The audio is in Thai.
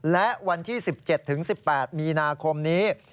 และวันที่๑๗๑๘มีนาคมนี้